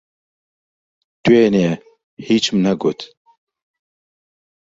دوێنێ، ھیچم نەگوت.